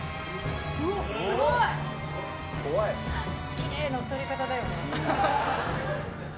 きれいな太り方だよね。